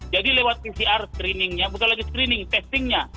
jadi lewat pcr screeningnya bukan lagi screening testingnya